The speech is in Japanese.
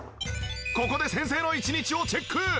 ここで先生の１日をチェック！